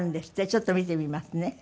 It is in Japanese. ちょっと見てますね。